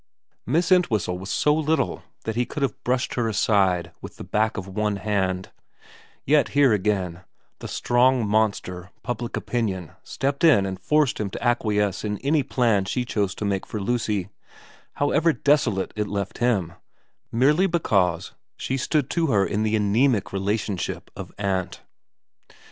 Miss Entwhistle was so little that he could have brushed her aside with the back of one hand ; yet here again the strong monster public opinion stepped in and forced him to acquiesce in any plan she chose to make for Lucy, however desolate it left him, merely because she stood to her in the anaemic relationship of aunt.